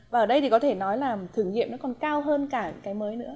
và ở đây thì có thể nói là thử nghiệm nó còn cao hơn cả cái mới nữa